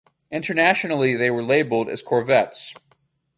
Internationally they were labeled as corvettes.